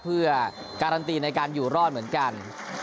เพื่อการันตีในการอยู่รอดเหมือนกัน